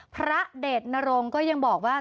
พระเดชนรงค์ก็ยังบอกว่า